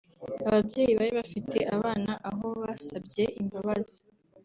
Ababyeyi bari bafite abana aho basabye imbabazi